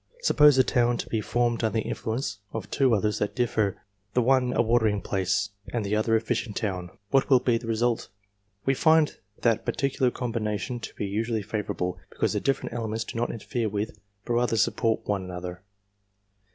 Suppose a town to be formed under the influence of two others that differ, the one a watering place and the other a fishing town ; what will be the result ? We find that particular combination to be usually favourable, because the different elements do not interfere with but rather support one another.